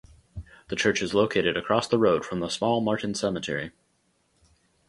The church is located across the road from the small Martin Cemetery.